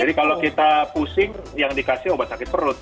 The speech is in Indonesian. jadi kalau kita pusing yang dikasih obat sakit perut